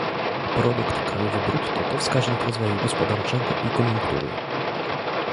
Produkt krajowy brutto to wskaźnik rozwoju gospodarczego i koniunktury